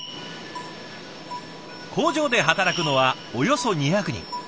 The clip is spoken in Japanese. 工場で働くのはおよそ２００人。